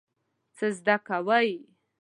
څه زده کوئ؟